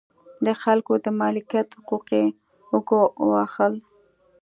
د خلکو د مالکیت حقوق یې وګواښل.